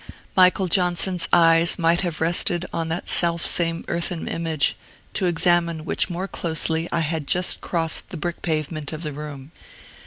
Michael Johnson's eyes might have rested on that selfsame earthen image, to examine which more closely I had just crossed the brick pavement of the room.